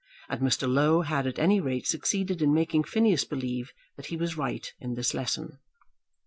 And Mr. Low had at any rate succeeded in making Phineas believe that he was right in this lesson.